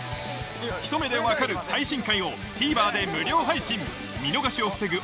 『ひと目でわかる‼』最新回をＴＶｅｒで無料配信見逃しを防ぐ